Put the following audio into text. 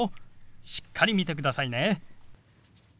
しっかり見てくださいね。